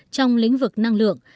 trong lĩnh vực năng lượng